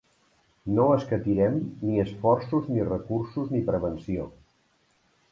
No escatirem ni esforços ni recursos ni prevenció.